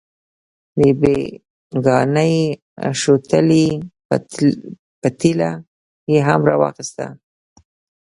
د بېګانۍ شوتلې پتیله یې هم راواخیسته.